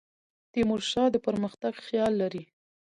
تیمور شاه د پرمختګ خیال لري.